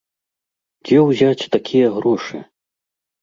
Дзе ўзяць такія грошы?